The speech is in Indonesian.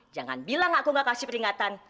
jangan bilang aku gak kasih peringatan